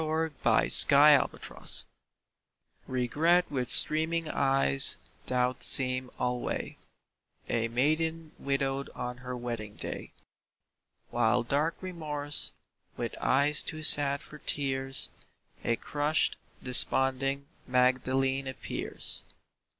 REGRET AND REMORSE Regret with streaming eyes doth seem alway A maiden widowed on her wedding day. While dark Remorse, with eyes too sad for tears, A crushed, desponding Magdalene appears.